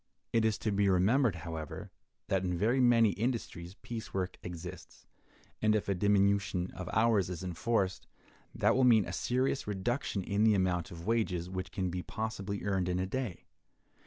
It is to be remembered, however, that in very many industries piece work exists, and if a diminution of hours is enforced, that will mean a serious reduction in the amount of wages which can be possibly earned in a day.